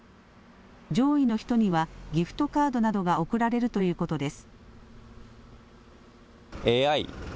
上位の人にはギフトカードなどが贈られるということです。